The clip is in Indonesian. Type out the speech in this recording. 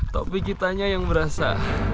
tapi kitanya yang merasa